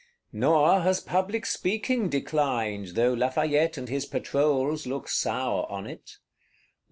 Nor has public speaking declined, though Lafayette and his Patrols look sour on it.